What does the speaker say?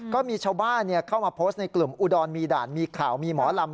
ก็มีชาวบ้านเข้ามาโพสต์ในกลุ่มอุดรมีด่านมีข่าวมีหมอลำ